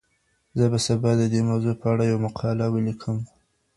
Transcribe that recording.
زه به سبا د دې موضوع په اړه یوه مقاله ولیکم.